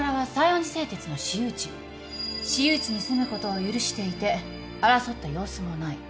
私有地に住むことを許していて争った様子もない。